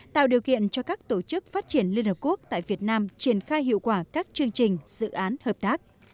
tạo điều kiện cho các tổ chức phát triển liên hợp quốc tại việt nam triển khai hiệu quả các chương trình dự án hợp tác